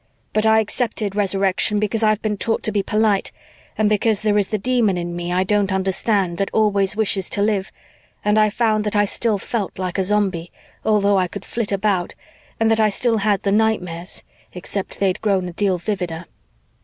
But I accepted Resurrection because I've been taught to be polite and because there is the Demon in me I don't understand that always wishes to live, and I found that I still felt like a Zombie, although I could flit about, and that I still had the nightmares, except they'd grown a deal vivider.